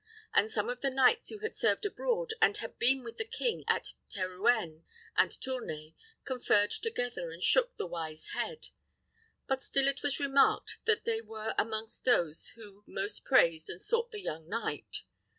And some of the knights who had served abroad, and had been with the king at Terouenne and Tournay, conferred together, and shook the wise head; but still it was remarked that they were amongst those who most praised and sought the young knight.